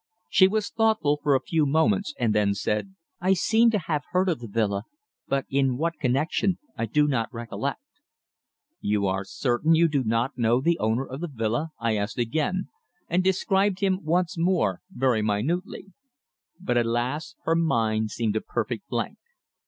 She was thoughtful for a few moments, and then said: "I seem to have heard of the villa, but in what connexion I do not recollect." "You are certain you do not know the owner of the villa?" I asked again, and described him once more very minutely. But alas! her mind seemed a perfect blank.